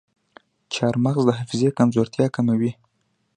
چارمغز د حافظې کمزورتیا کموي.